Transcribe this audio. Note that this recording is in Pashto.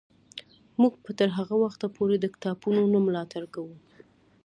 موږ به تر هغه وخته پورې د کتابتونونو ملاتړ کوو.